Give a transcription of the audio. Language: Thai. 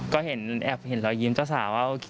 ก็เห็นแอบเห็นรอยยิ้มเจ้าสาวว่า